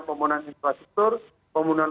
pembangunan infrastruktur pembangunan